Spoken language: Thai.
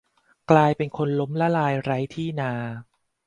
กลายเป็นคนล้มละลายไร้ที่นา